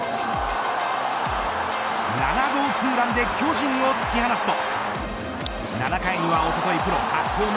７号ツーランで巨人を突き放すと。